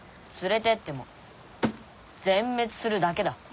連れてっても全滅するだけだ。